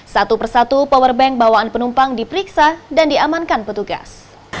satu persatu powerbank bawaan penumpang diperiksa dan diamankan petugas